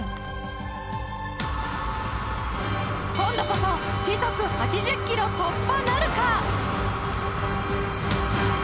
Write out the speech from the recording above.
今度こそ時速８０キロ突破なるか？